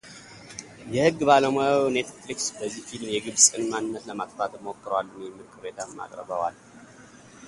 የህግ ባለሙያው ኔትፍሊክስ በዚህ ፊልም “የግብጽን ማንነት ለማጥፋት” ሞክሯልም የሚል ቅሬታም አቅርበዋል።